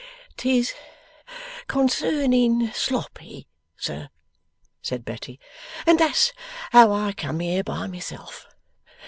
''Tis concerning Sloppy, sir,' said Betty. 'And that's how I come here by myself.